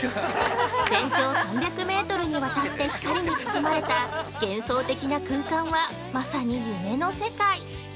全長３００メートルにわたって光に包まれた幻想的な空間はまさに夢の世界。